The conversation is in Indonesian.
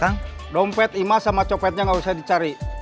kang dompet imas sama copetnya gak usah dicari